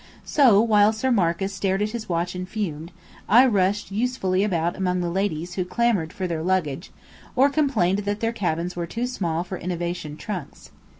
So, while Sir Marcus stared at his watch and fumed, I rushed usefully about among the ladies who clamoured for their luggage, or complained that their cabins were too small for innovation trunks.